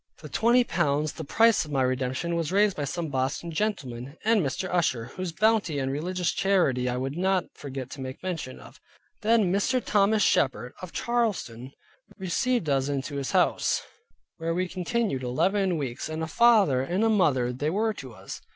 The twenty pounds, the price of my redemption, was raised by some Boston gentlemen, and Mrs. Usher, whose bounty and religious charity, I would not forget to make mention of. Then Mr. Thomas Shepard of Charlestown received us into his house, where we continued eleven weeks; and a father and mother they were to us.